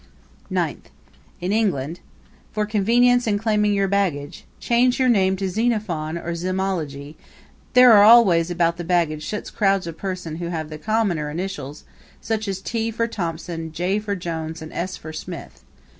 Ninth In England, for convenience in claiming your baggage, change your name to Xenophon or Zymology there are always about the baggage such crowds of persons who have the commoner initials, such as T for Thompson, J for Jones, and S for Smith.